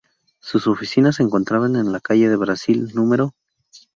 Sus oficinas se encontraban en la calle de Brasil No.